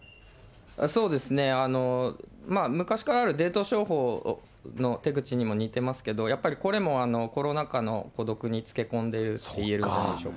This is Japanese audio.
そうですね、昔からあるデート商法の手口にも似てますけど、これもコロナ禍の孤独につけ込んでいるといえるんじゃないでしょ